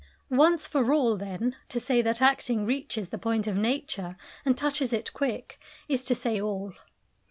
Once for all, then, to say that acting reaches the point of Nature, and touches it quick, is to say all.